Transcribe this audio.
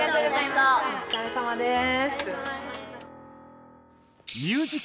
おつかれさまです。